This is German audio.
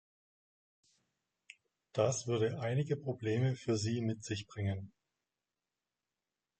Das würde einige Probleme für sie mit sich bringen.